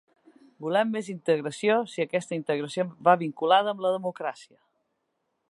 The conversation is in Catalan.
Volem més integració si aquesta integració va vinculada amb la democràcia.